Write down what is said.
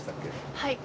はい。